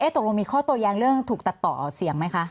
ตกลงมีข้อโตแย้งเรื่องถูกตัดต่อเสี่ยงไหมคะ